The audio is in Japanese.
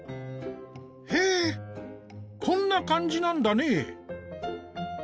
へえこんな感じなんだね。